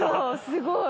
すごい。